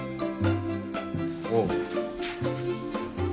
おう。